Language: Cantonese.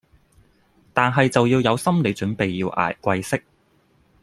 但係就要有心理準備要捱貴息